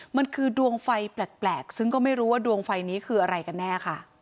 มันคือดวงไฟแปลกซึ่งก็ไม่รู้ว่าดวงไฟนี้คืออะไรกันแน่ค่ะ